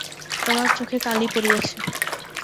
তোমার চোখে কালি পড়িয়াছে।